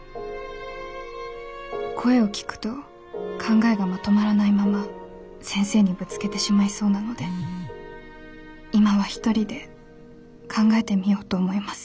声を聞くと考えがまとまらないまま先生にぶつけてしまいそうなので今は一人で考えてみようと思います」。